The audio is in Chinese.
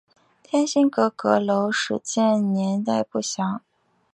天心阁阁楼始建年代不详。